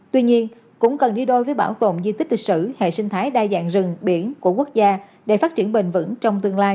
tuy nhiên cũng cần đi đôi với bảo tồn di tích lịch sử hệ sinh thái đa dạng rừng biển của quốc gia để phát triển bền vững trong tương lai